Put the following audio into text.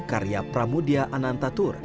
karya pramudia anantatur